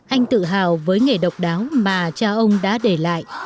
anh tự hào với nghề độc đáo mà cha ông đã để lại